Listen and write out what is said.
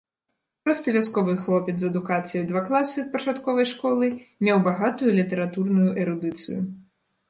Просты вясковы хлопец з адукацыяй два класы пачатковай школы меў багатую літаратурную эрудыцыю.